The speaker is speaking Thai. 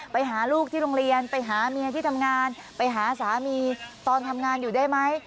ไปหาลูกที่โรงเรียนไปหาเมียที่ทำงานไปหาสามีตอนทำงานอยู่ได้ไหม